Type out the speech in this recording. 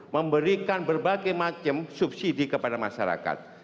memberikan berbagai macam subsidi kepada masyarakat